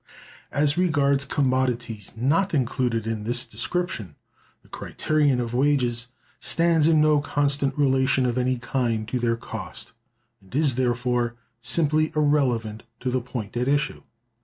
As regards commodities not included in this description, the criterion of wages stands in no constant relation of any kind to their cost, and is, therefore, simply irrelevant to the point at issue.